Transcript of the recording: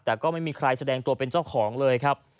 แต่ก็ไม่มีใครแสดงตัวเป็นเจ้าของเลยครับ